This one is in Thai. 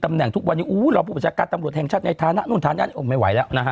ตำแหน่งทุกวันอูหล่อประจักรก็ตำรวจแห่งชัดในทางนั้นไม่ไหวแล้วนะคะ